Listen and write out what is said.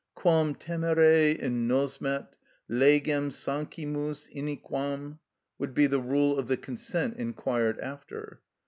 Quam temere in nosmet legem sancimus iniquam! would be the rule of the consent inquired after.